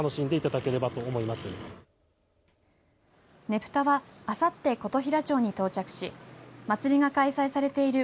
ねぷたはあさって琴平町に到着し祭りが開催されている